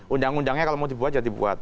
undang undangnya kalau mau dibuat ya dibuat